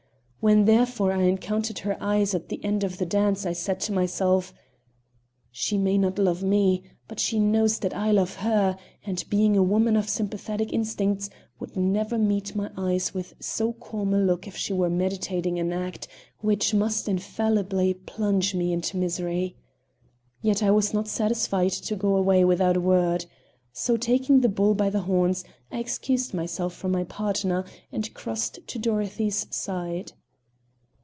When, therefore, I encountered her eyes at the end of the dance I said to myself: "She may not love me, but she knows that I love her, and, being a woman of sympathetic instincts, would never meet my eyes with so calm a look if she were meditating an act which must infallibly plunge me into misery." Yet I was not satisfied to go away without a word. So, taking the bull by the horns, I excused myself to my partner, and crossed to Dorothy's side.